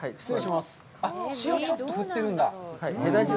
塩ちょっと振ってるんだ。